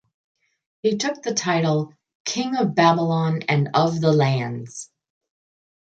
He took the title "king of Babylon and of the lands".